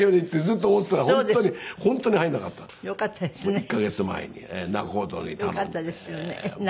１カ月前に仲人に頼んで。